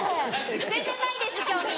全然ないです興味。